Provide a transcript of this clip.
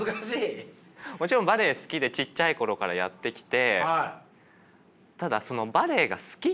もちろんバレエ好きでちっちゃい頃からやってきて。